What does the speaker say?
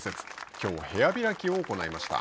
きょう部屋開きを行いました。